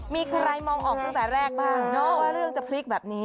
มีใครมองออกตั้งแต่แรกบ้างเนอะว่าเรื่องจะพลิกแบบนี้